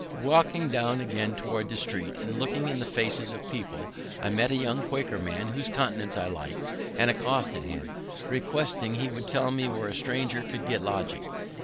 Walking down again toward the river, and, looking in the faces of people, I met a young Quaker man, whose countenance I lik'd, and, accosting him, requested he would tell me where a stranger could get lodging.